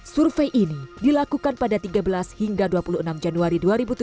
survei ini dilakukan pada tiga belas hingga dua puluh enam januari dua ribu tujuh belas